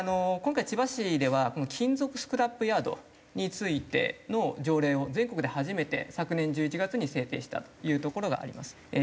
今回千葉市ではこの金属スクラップヤードについての条例を全国で初めて昨年１１月に制定したというところがあります。